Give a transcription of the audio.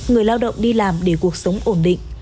người lao động đi làm để cuộc sống ổn định